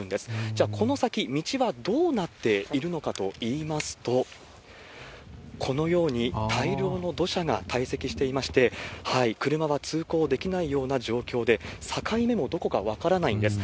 じゃあこの先、道はどうなっているのかといいますと、このように大量の土砂が堆積していまして、車は通行できないような状況で、境目もどこか分からないんです。